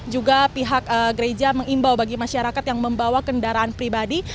juga pihak gereja mengimbau bagi masyarakat yang membawa kendaraan pribadi